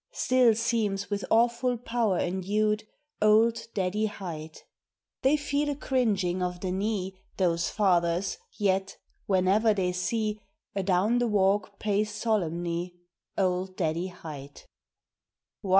Still seems with awful power endued Old Daddy Hight. They feel a cringing of the knee, Those fathers, yet, whene'er they see Adown the walk pace solemnly Old Daddy Hight.